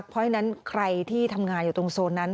เพราะฉะนั้นใครผ่านงานตรงโซนนั้น